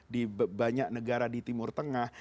di banyak negara di timur tengah